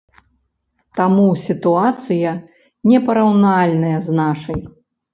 Таму сітуацыя непараўнальная з нашай.